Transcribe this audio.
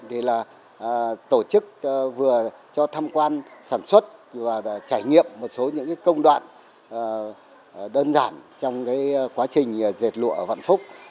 thì là tổ chức vừa cho tham quan sản xuất và trải nghiệm một số những công đoạn đơn giản trong cái quá trình dệt lụa vạn phúc